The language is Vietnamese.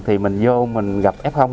thì mình vô mình gặp f